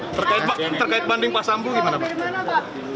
terkait banding pak sambu gimana pak